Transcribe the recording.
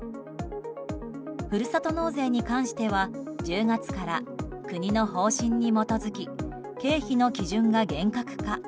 ふるさと納税に関しては１０月から国の方針に基づき経費の基準が厳格化。